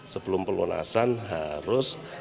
sebelum pelunasan harus